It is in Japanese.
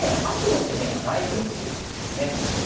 あとの攻めがないと見てるわけですね。